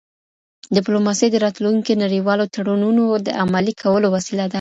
ډيپلوماسي د راتلونکي نړیوالو تړونونو د عملي کولو وسیله ده.